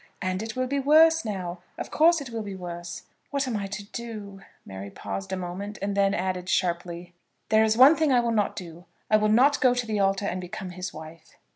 And it will be worse now. Of course it will be worse." "What am I to do?" Mary paused a moment, and then added, sharply, "There is one thing I will not do; I will not go to the altar and become his wife."